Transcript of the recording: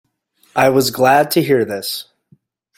I was glad to hear this.